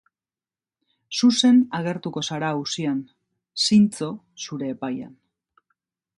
Zuzen agertuko zara auzian, zintzo zure epaian.